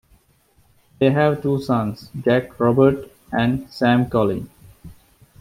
They have two sons, Jack Robert and Sam Colin.